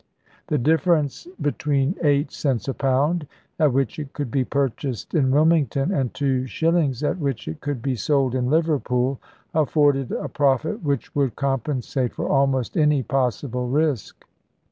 The difference be tween eight cents a pound, at which it could be purchased in Wilmington, and two shillings, at which it could be sold in Liverpool, afforded a profit which would compensate for almost any possible risk.